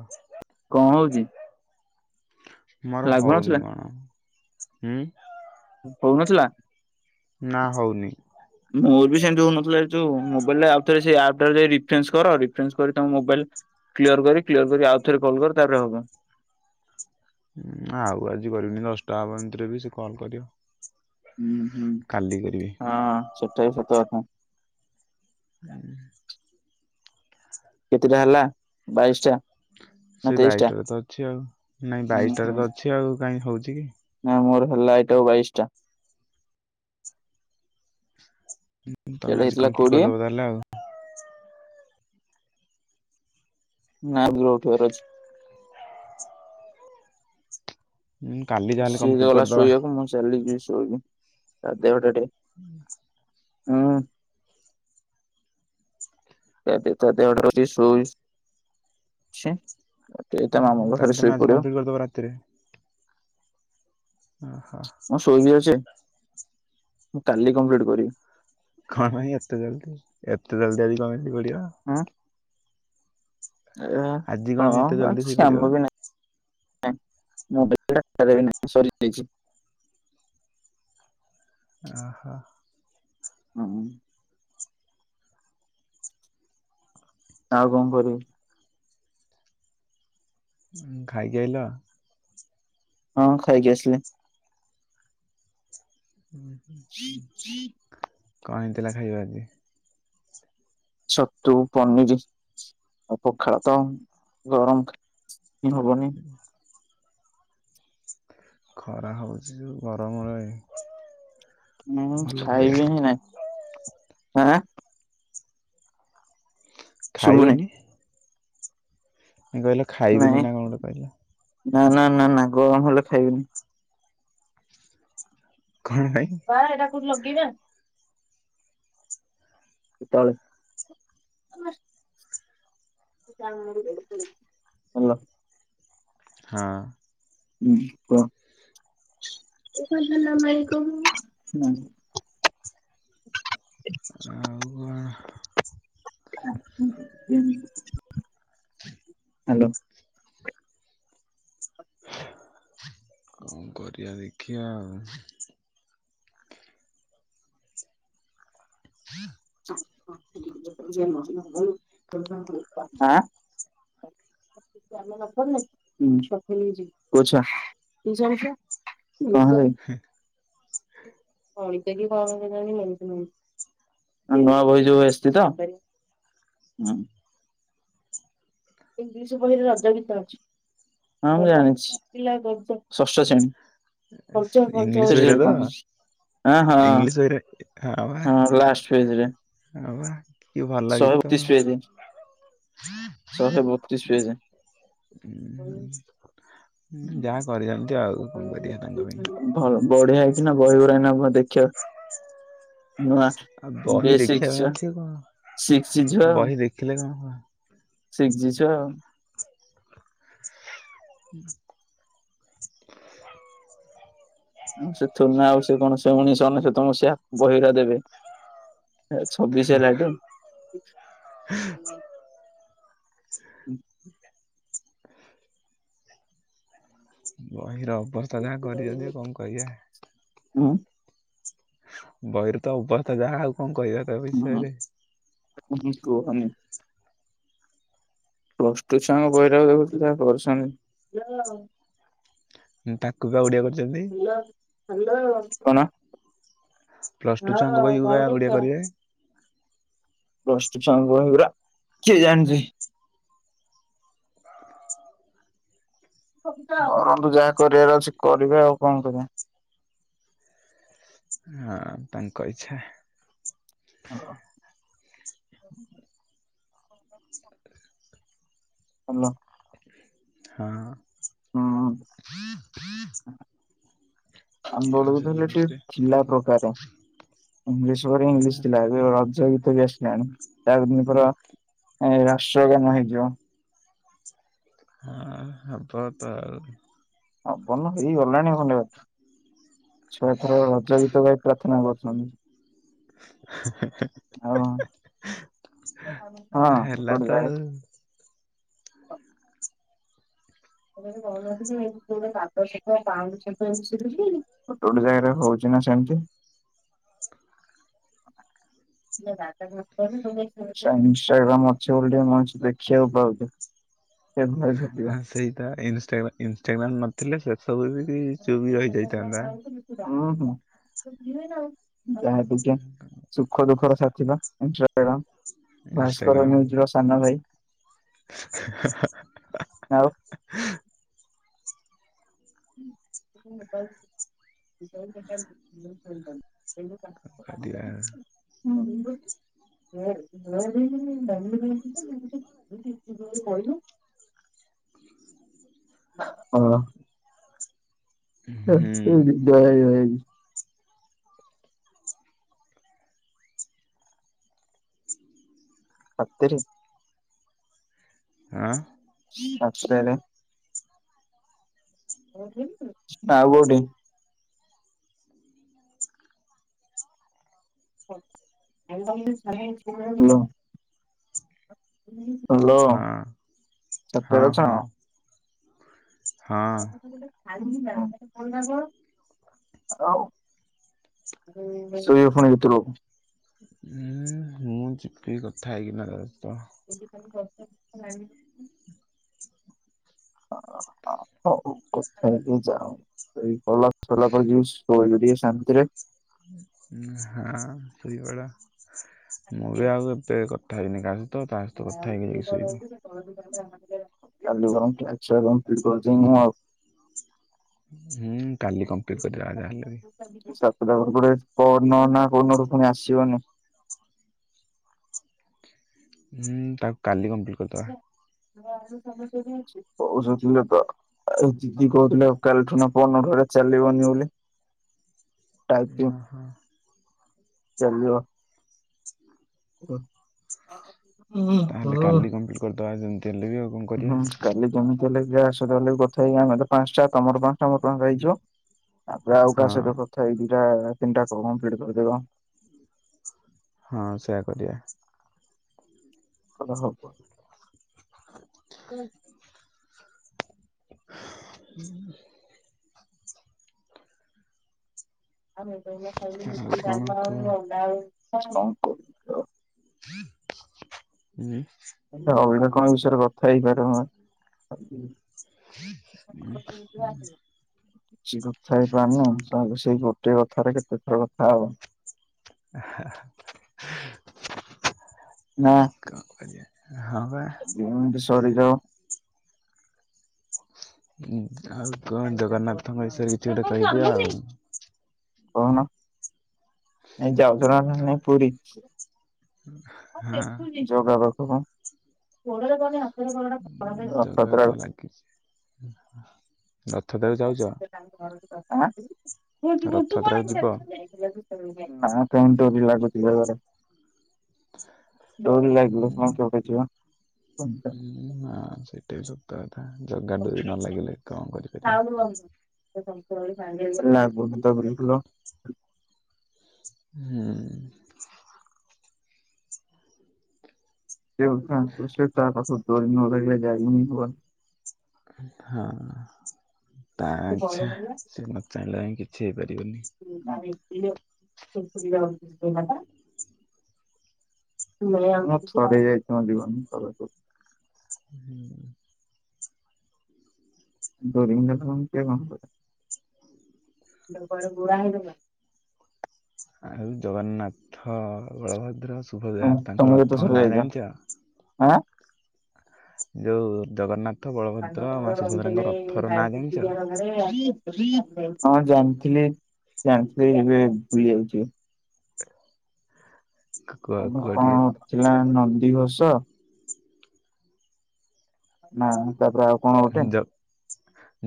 ହୁଁ। କଣ ହଉଚଛି? ମୋର ହଉନି କଣ ହୁଁ। ହଉନଥିଲା? ନା ହଉନି। ନଥିଲେ ଯୋଉ ମୋବଇଲ ଆଉଥରେ ସେ ଆପ ଟା ରେ ଯାଇ ରିଫ୍ରେସ କର ରିଫ୍ରେନସ କରି ତ ମୋବାଇଲ କ୍ୟର କରି କ୍ୟର କରି ଆଉ ଥରେ କଲ୍ କରି ତାପରେ ହବ। ଁ ଆଉ ଆଜି କରିବୁନି ଦଶଟା ହେିତରେ ବି ସେ କଲ କରିବ। ହଁ ହୁଁ କାଲି କରିବି। ହଁ ସେଠାାଇ ସେତ ଅଥା। ହୁଁ। କେତେଟା ହେଲା ବାଇଶ ଟା। ନା ସେଇ ତେଇଶ ଟା ବାଇଶିଟାରେ ତ ଅଛି ଆଉ ନାଇଁ ହୁଁ ବାଇଶଟାରେ ହୁଁ ତ ଅଛି ଆଉ କାଇହିଁ ହଉଛି କି। ନା ମୋର ହେ ଲାଇଟ ଆଉ ବାଇଶ ଟା। ତମେ ସେଇଟା ଆଜି ହେଇଥିଲା କମ୍ପ୍ଲିଟ କୋଡିଏ କରିଦବ ତାହେଲେ ଆଉ। ନା ଗିର ଉଠ ରଛି। ହୁଁ କାଲି ଯାହାହେଲେ ସିଏ କମ୍ପ୍ଲିଟ ଗଲା କରିଦବା ଶୋଇବାକୁ ମୁଁ ଚାଲି ଯ ଶୋଇବି ତା ଦେହଟା ହୁଁ। ହଁ। ତା ଟିକେ ତା ଦେହଟା ଟିକେ ସୋ ଇଚି ଏ ତ ଉଁ, ମା ହୁଁ, ମଙ୍ଗ ତାହେଲେ ଖାରେ ତମେ ଶୋଇ ଆଜି ପଡ଼ିବ। କମ୍ପ୍ଲିଟ କରିଦବ ରାତିରେ। ଓହୋ ମୁଁ ଶୋଇବି ଅଛେ ମୁଁ କାଲି କମ୍ପ୍ଲିଟ କରିବି। କଣ ପାଇଁ ଏତେ ଜଲଦି ଏତେ ଜଲଦି ଆଜି ଶୋଇପଡିବ। ହୁଁ ଏ ଆଜି କଣ ହଁବ ପାଇଁ ଏତେ ଵା ଜଲଦି ଶୋଇପଡିବ ସାଙ୍ଗ ମୁଁ ନାଁ ସରିାଇ [inaudible] ଓ ହୋ। ହଁ ଆଉ କଣ କରିବି? ଖାଇକି ଆଇଲ ହଁ ଖାଇକି ଆସିଲି। କଣ ହେଇଥିଲା ଖାଇବା ଆଜି? ଛତୁ ପନିର ପଖେଳ ତ ଗରମ କି ହବନି? ଖରା ହେଉଛି ଯେୋଉଁ ଗରମରେ ହୁଁ ଭଲ ଖାଇବା ଖାଇବି ହିଁ ନାଇଁ ଆଁ ଶୁଭୁନି ଖାଇବନି କଣ କହିଲା ନାଇଁ ଖାଇବିନି ନା କଣ ଗୋଟେ କହିଲା? ନା ନା ନା ନା ଗରମ ହେଲେ ଖାଇବନି। କଣ ପାଇଁ? ବା ଏଇଟା ଲଗେଇବା କେ ତାଳେ ହେଲୋ। ହଁ। ହଁ କୁହ। [unintelligible] ଆଉ କଣ? [unintelligible] ହ୍ୟାଲୋ। କଣ କରିବା ଦେଖିବା ଆଉ। [inaudible] [unintelligible] ଆଁ? [unintelligible] କଣହେଲାକି? ନୂଆ ବହି ଯୋଉ ଆସିଛି ତ? ହଁ। ଇଂଲିଶ ବହିରେ ରଜ ଗୀତ ଅଛି। ହଁ ମୁଁ ଜାଣିଛି ଷଷ୍ଠ ଶ୍ରେଣୀ। ପଞ୍ଚମ। ଇଂଲିଶ ବହିରେ ତ ହଁ ହଁ ଇଂଲିଶ ବହିରେ ହଁ ଲାଷ୍ଟ ପଜେରେ। ଆ ବା କି ଭଲ ଗୀତ। ପେଜ ଶହେ ବତିିଶ ପେଜ। ହୁଁ। କରିବା ତାଙ୍କ ପାଇଁ ବଢିଆ ହେଇଛି ନା ବହିି ଗୁଡା ଏବେ ଇନା ଭ ଆଚ୍ଛ। ନଆ ଆଉ ବହି ବେଏ ଦେଖିବା ସିକ୍ସ ପାଇଁ ଛୁଆ ଅଛି କଣ ଶିକଛିି ଆଉ। ବହି ଦେଖିଲେ କଣ ହବ ସିକ୍ସ ଜିଛ ଆଉ। [inaudible] ଆଉ ସେ ନା ଆଉ ସେ କଣ ସେ ମଣିଷଥ ତମ ସେ ବହିରା ଦେବେ। ଛବିଶ ହେଲା ଟ। ହୁଁ। ବହିର ଅବସ୍ଥା ଯାହା କରିଛନ୍ତି କଣ କହିବା? ହଁ। ବହିରେ ତ ଅବସ୍ଥା ଯାହା ଆଉ କଣ କହିବା ତା ହୁଁ ବିଷୟରେ? କୁହନି। ପ୍ଲସ ଟୁ ଛୁଆଙ୍କ ବହିଉରାକ ଦେଖୁଚୁ ଯାହା କରିଚନ୍ତି। ତାକୁ ପା ଓଡ଼ିଆ କରି ହାଲୋ, ହାଲୋ। କଣ? ପ୍ଲସ ଟୁ ହଁ ଛୁଆଙ୍କ କଣ ବହିକୁ ବା ଓଡ଼ିଆ କରୁଛ? କରିବେ ପ୍ଲସ ଟୁ ଛୁଆଙ୍କ ବହିଉରା କିଏ ଜାଣିଛି? କରନ୍ତୁ ଯାହା କରିବାର ଅଛି କରିବେ ଆଉ କଣ କରିବା? ହଁ ତାଙ୍କ ଇଚ୍ଛା। ହଁ। ହାଲୋ। ହଁ। ଆମ କିଏ ବେଳକୁ ମେସେଜ ତ ହେଲେ ଟିକେ କରୁଥିଲେ ଥିଲା ପ୍ରକାରେ। ଇଂଲିଶ୍ ପରେ ଇଂଲିଶ୍ ଥିଲା ଏବେ ରଜ। [unintelligible] ହଁ ହବ ତ ଆଉ। ହବନ ହେଇଗଲାଣି ବୋଧେ ଛୁଆଏଥର ରଜ ଗୀତ ଗାଇ ପ୍ରାର୍ଥନା କରୁଚନ୍ତି। [inaudible] [unintelligible] ହଁ। ହେଲା ତ ଆଉ। [unintelligible] [unintelligible] ନା ସେମିତି। [inaudible] ସେଇଆ ପା ମରୀଚି ବୋଲି ଟିକେ ମଣିଷ ଦେଖିବାକୁ ପାଇଛି। [inaudible] ଏବେ ଭଲ କଟିବ। ତା ଇନଷ୍ଟାଗ୍ରାମ୍ ନଥିଲେ ସେ ସବୁ ବି ଚୁପ୍ ରହିଯାଇଥାନ୍ତା। ହୁ ହୁ ଯାହା କୁ ଯାହା ସୁଖ ଦୁଃଖର ସାଥି। ସେ ପା ଇନଷ୍ଟାଗ୍ରାମ୍ ଭାସ୍କର ଇନଷ୍ଟାଗ୍ରାମ ନିୟୁଜ୍ ର ସାନ ଭାଇ। ଆଉ [unintelligible] [inaudible] କରିବା [inaudible] [unintelligible] [unintelligible] ହଁ। ହୁଁ ହଁ [unintelligible] ସତରେ। ଆଁ। ସତରେ। ନା ଆଉ କୋଉଠି। ହାଲୋ। ହାଲୋ ହଁ। କେତେ ହଁ ଅଛ। ହଁ ହଁ। [unintelligible] ଶୋଇବ ପୁଣି କେତେବେଳ କୁ। ଉଁ ମୁଁ ଯିବି କଥା ହେଇକିନା। [unintelligible] [inaudible] ହଉ ହଉ। କଥା ହେଇକି ଯାଅ ଏଇ କଲର ସରିଲା ପରେ ଯିବି ଶୋଇବି ଟିକେ ଶାନ୍ତିରେ। ହଁ ଶୋଇପଡ। ମୁଁ ବି ଆଉ ଏତେ କଥା ହେଇନି କାହା ସହିତ ତା ସହିତ କଥା ହେଇକି ଯାଇକି ଶୋଇବି। କଲି ବରଂ ଇଛା ଫିଡ କୋଚିଙ୍ଗ ମୋର। ହୁଁ କାଲି କମ୍ପ୍ଲିଟ୍ କରିଦବା ଯାହା ହେଲେ ବି। ଗୋଟେ କୋନ ନହେନ କୋଉଦିନ ପୁଣି ଆସିବନି। ହୁଁ ତାକୁ କାଲି କମ୍ପ୍ଲିଟ୍ କରିଦବା। କୋଉ ଥିଲେ ତ। ଆ ଦିଦି କହୁଥିଲେ କାଲିଠୁନା ପହରଦିନଠୁ ଏଟା ଚାଲିବନି ବୋଲି। ଟାଇପିଂ ଓ ହୋ। ଚାଲିବ। ହୁଁ। ତାହେଲେ ହୁଁ। କାଲି କମ୍ପ୍ଲିଟ କରିଦବା ଯେମି ହୁଁ କାଲି ଯେମିତି ହେଲେ ଯା ସହିତ ହେଲେ ବି କଥା ହେଇକି ଆମେ ତ ପାଞ୍ଚଟା ତମର ପାଞ୍ଚଟା ମୋର ପାଞ୍ଚଟା ହେଇଯିବ ତାପରେ ଆଉ ହଁ କାହା ସହିତ କଥା ହେଇଯି ତାର ତିନିଟା କମ୍ଲିଟ କରିଦେବ। ହଁ ସେୟା କରିବା। ଏଟା ହବ ହୁଁ। ଆମେ ତ ଏଇନା ଖାଇବୁ ଆଉ ରୁଟି କଣ ଖାଇମୁ ଆଉ କୁହ ଏ ଅଣ୍ଡା ଆ ଉଁ ହେଲେ ଅଲଗା କଣ ବିଷୟରେ କଥା ହେଇପାରେ ମୁଁ ଉଁ ହ କିଛି କଥା ହେଇପାରୁନ ସବୁ ସେଇ ଗୋଟେ କଥାରେ କେତେଥର କଥା ହବା। ନା କଁ କରିବା। ହଁ ପା। ତମେ ଦିଜଣ ଉଁ-ଆଉ କଣ ଜଗନ୍ନାଥଙ୍କ ବିଷୟରେ କିଛି ଗୋଟେ କହିଦିଅ ଆଉ। କହୁଁନ ନାଇଁ ଯାଉଚନା ନାଇଁ ପୁରୀ? ହଁ ଜଗା ପାଖକୁ [unintelligible] ରଥ ଦେବା ଯାଉଚ? ଆଁ ନା ଯିବ କାଉଣ୍ଟରି ଲାଗୁଥିଲା ଥରେ। ଡୋର ଲାଗିଲେ ସିନା ହୁଁ କିଏ ଗୋଟେ ଯିବା ହୁଁ ହଁ ସେଇଟା ବି ସତ ଜଗା ଡ଼ୋରି ନ ଲାଗିଲେ କଁ କରିପାରିବା। ନା ବୁଲୁତ ବୁଲୁଥୁଲ ହୁଁ। [unintelligible] ହଁ। ତା ଇଛା ସିଏ ନ ଚାହିଁଲା ଯାଏଁ କିଛି ହେଇପାରିବନି। ଇଏ ସେ ଫୁଲ [unintelligible] ଟା ମୁଁ ଥରେ ଯାଇଥାନ୍ତି ଗନି ତାଖକୁ ହୁଁ। ଡୋରି [unintelligible] କିଏ କଣ କରି ତାଙ୍କ ଆଡେ ଗୋଡା ହେଇଗଲା। ଆଉ ଜଗନ୍ନାଥ ବଳଭଦ୍ର ସୁଭଦ୍ରା ତମେ ତାଙ୍କ କେତେ ରଥଙ୍କ ଥର ନାଁ ଯାଇଛ ଜାଣିଚ? ଆଁ? ଯୋଉ ଜଗନ୍ନା [inaudible] ନାଁ ହଁ ଜାଣିଛ? ଜାଣିଥିଲେ ଜାଣିଥିଲି ଯିବେ ଭୁଲି ଯାଉଚି। କୁ- କୁହ ଆଉଟେ କୁହ କଁ ଟିକେ ଥିଲା ନଦୀଘୋଷ ନା ତାପରେ ଆଉ କଣ ଗୋଟେ ଜ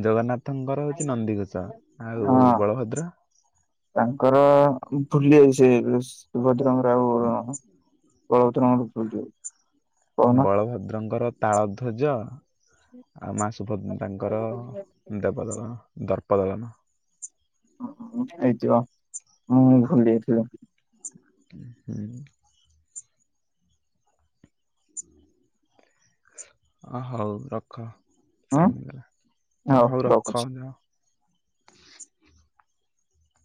ଜଗନ୍ନାଥଙ୍କର ହଉଛି ନନ୍ଦିଘୋଷ ଆଉ ହଁ ବଳଭଦ୍ର ତାଙ୍କର ଭୁଲି ଯାଇଛି ସେ ସୁଭଦ୍ରା ହୁଁ ବଳଭଦ୍ରଙ୍କ ବଳଭଦ୍ରଙ୍କର ତାଳ ଧ୍ୱଜ। ଆଉ ମା ସୁଭଦ୍ରାଙ୍କର ଦେବଦଳନ ଦର୍ପ ଦଳନ। ହେଇଥିବ ମୁଁ ଭୁଲି ଯାଇଥିଲି। ହୁଁ। ଅ ହଉ ରଖ ହୁଁ ଟାଇମ୍ ହେଇଗଲା ହଉ ରଖ